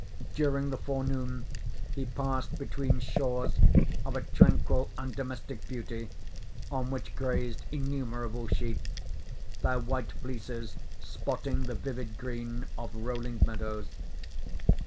During the forenoon he passed between shores of a tranquil and domestic beauty, on which grazed innumerable sheep, their white fleeces spotting the vivid green of rolling meadows.